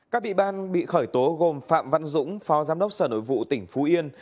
các bị ban bị khởi tố gồm phạm văn dũng phó giám đốc sở nội vụ tỉnh phú yên